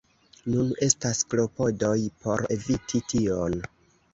Nun estas klopodoj por eviti tion.